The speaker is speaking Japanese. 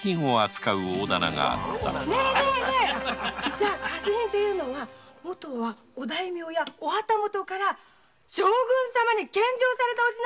じゃあ下賜品ていうのはもとはお大名やお旗本から将軍様に献上されたお品なのね。